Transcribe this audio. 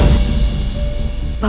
sultan ada dimana